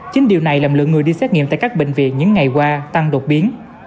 chính điều này làm lượng người đi xét nghiệm tại các bệnh viện những ngày qua tăng đột biến